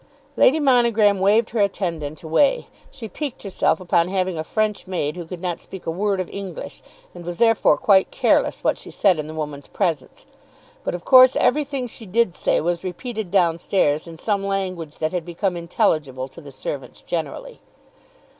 Lady Monogram waved her attendant away. She piqued herself upon having a French maid who could not speak a word of English, and was therefore quite careless what she said in the woman's presence. But, of course, everything she did say was repeated down stairs in some language that had become intelligible to the servants generally.